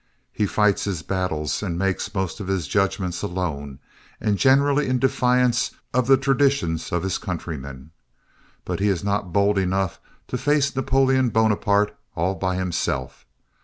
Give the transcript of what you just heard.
He fights his battles and makes most of his judgments alone and generally in defiance of the traditions of his countrymen, but he is not bold enough to face Napoleon Bonaparte all by himself.